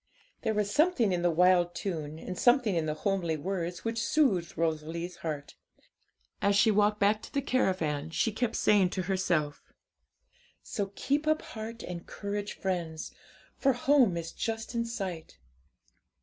There was something in the wild tune, and something in the homely words, which soothed Rosalie's heart. As she walked back to the caravan, she kept saying to herself 'So keep up heart and courage, friends! For home is just in sight.'